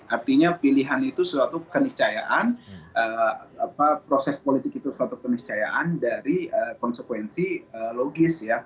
artinya pilihan itu suatu keniscayaan proses politik itu suatu keniscayaan dari konsekuensi logis ya